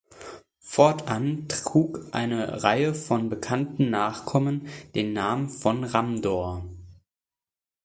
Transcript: Fortan trug eine Reihe von bekannten Nachkommen den Namen „von Ramdohr“.